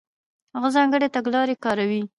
هغه ځانګړې تګلارې کارولې.